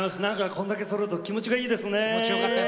これだけそろうと気持ちがいいですね。